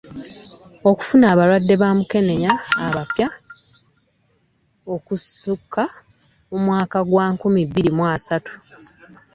Okufuna abalwadde ba Mukenenya abapya okusukka omwaka gwa nkumi bbiri mu asatu.